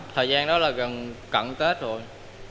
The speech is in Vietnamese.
thời gian đó là gần cận tết rồi